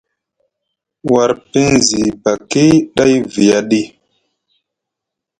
War pinzibaki dai viya ɗi?